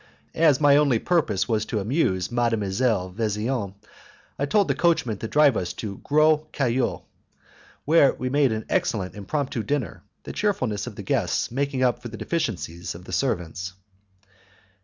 As my only purpose was to amuse Mdlle. Vesian, I told the coachman to drive us to the Gros Caillou, where we made an excellent impromptu dinner, the cheerfulness of the guests making up for the deficiencies of the servants.